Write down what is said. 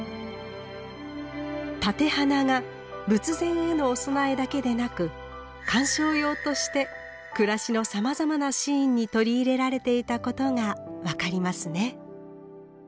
立て花が仏前へのお供えだけでなく鑑賞用として暮らしのさまざまなシーンに取り入れられていたことが分かりますね。